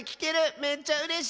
めっちゃうれしい！